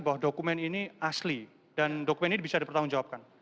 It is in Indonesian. bahwa dokumen ini asli dan dokumen ini bisa dipertanggungjawabkan